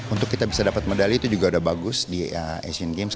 untuk kita bisa dapat medali itu juga udah bagus di asian games